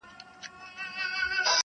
مه یې را کوه د هضمېدلو توان یې نلرم,